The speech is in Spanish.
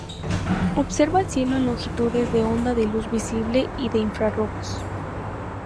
Observa el cielo en longitudes de onda de luz visible y de infrarrojos.